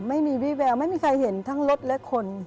ไม่มีวิแววไม่มีใครเห็นทั้งรถและคน